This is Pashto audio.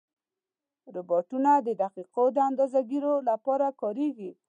روبوټونه د دقیقو اندازهګیرو لپاره کارېږي.